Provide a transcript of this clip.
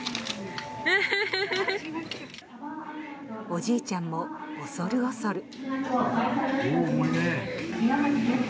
おじいちゃんも恐る恐る。